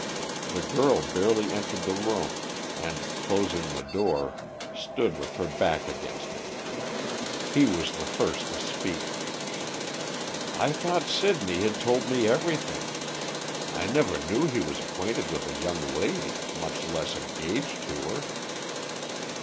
The girl barely entered the room, and, closing the door, stood with her back against it. He was the first to speak. "I thought Sidney had told me everything; I never knew he was acquainted with a young lady, much less engaged to her."